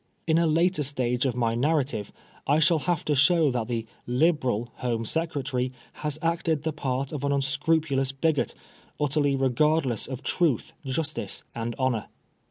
In a later stage of my narrative I shall have to show that the " Liberal " Home Secretary has acted the part of an unscrupulous bigot, utterly regardless of truth, justice and honor.